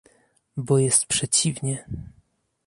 Bo jest przeciwnie